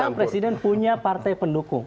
karena presiden punya partai pendukung